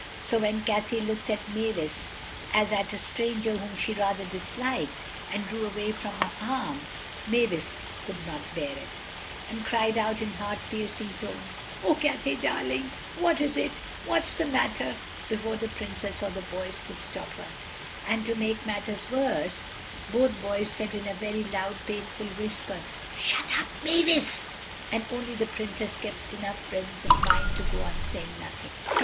So when Cathay looked at Mavis as at a stranger whom she rather disliked, and drew away from her arm, Mavis could not bear it, and cried out in heart piercing tones, "Oh, Cathay, darling, what is it? What's the matter?" before the Princess or the boys could stop her. And to make matters worse, both boys said in a very loud, plain whisper, "Shut up, Mavis," and only the Princess kept enough presence of mind to go on saying nothing.